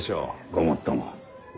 ごもっとも。